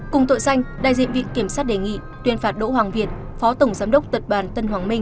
cùng tội danh đại diện viện kiểm sát đề nghị tuyên phạt đỗ hoàng việt phó tổng giám đốc tập đoàn tân hoàng minh